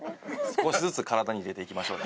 少しずつ体に入れていきましょう。